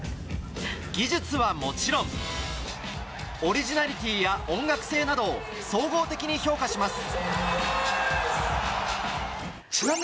技術はもちろんオリジナリティーや音楽性など総合的に評価します。